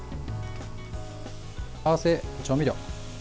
合わせ調味料。